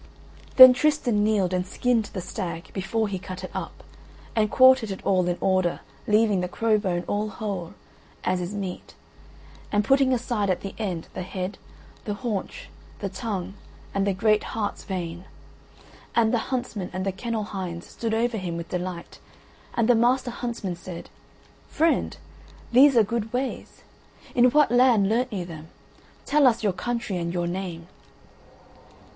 Then Tristan kneeled and skinned the stag before he cut it up, and quartered it all in order leaving the crow bone all whole, as is meet, and putting aside at the end the head, the haunch, the tongue and the great heart's vein; and the huntsmen and the kennel hinds stood over him with delight, and the Master Huntsman said: "Friend, these are good ways. In what land learnt you them? Tell us your country and your name."